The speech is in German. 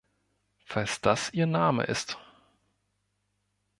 Falls das ihr Name ist.